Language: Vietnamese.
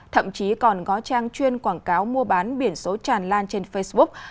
thậm chí còn có trang chuyên quảng cáo mua bán biển số tràn lan trên facebook